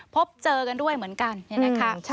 พบเจอกันด้วยเหมือนกันอย่างนี้ค่ะ